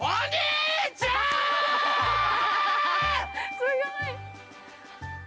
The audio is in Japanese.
すごい。